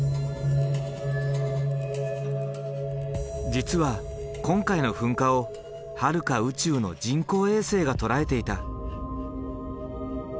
実は今回の噴火をはるか宇宙の人工衛星が捉えていた。